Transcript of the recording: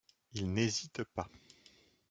Ils n’hésitent pas.